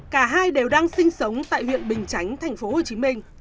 cả hai đều đang sinh sống tại huyện bình chánh tp hcm